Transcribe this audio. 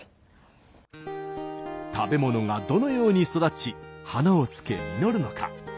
食べ物がどのように育ち花をつけ実るのか。